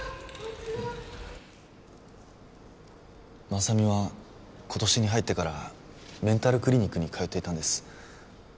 雅美はことしに入ってからメンタルクリニックに通っていたんです。